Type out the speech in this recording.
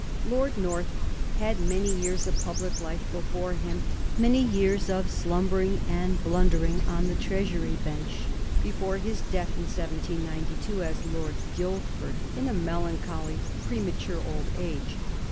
Lord North had many years of public life before him, many years of slumbering and blundering on the treasury bench, before his death in 1792, as Lord Guildford, in a melancholy, premature old age.